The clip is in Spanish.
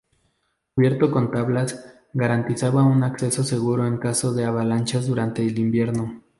Cubierto con tablas, garantizaba un acceso seguro en caso de avalanchas durante el invierno.